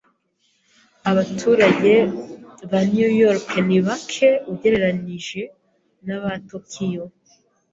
Abaturage ba New York ni bake ugereranije na Tokiyo.